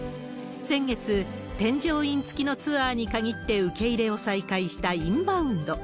先月、添乗員付きのツアーに限って受け入れを再開したインバウンド。